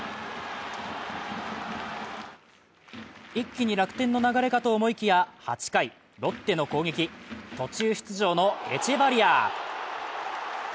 一気に楽天の流れかと思いきや８回、ロッテの攻撃、途中出場のエチェバリア。